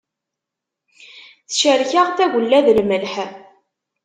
Tecrek-aɣ tagella d lemleḥ.